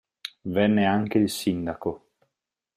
Venne anche il sindaco.